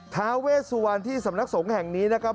ท้าเวสวรรณที่สำนักสงฆ์แห่งนี้นะครับ